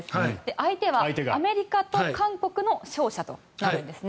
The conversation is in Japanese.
相手はアメリカと韓国の勝者となるんですね。